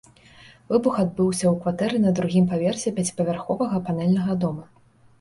Выбух адбыўся ў кватэры на другім паверсе пяціпавярховага панэльнага дома.